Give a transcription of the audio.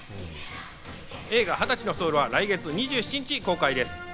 映画『２０歳のソウル』は来月２７日公開です。